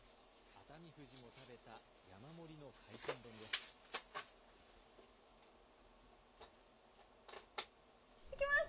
熱海富士も食べた山盛りの海鮮丼です。